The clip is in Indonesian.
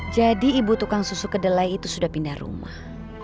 jadi ibu tukang susu kedelai itu sudah pindah rumah